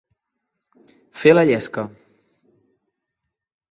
Fer la llesca.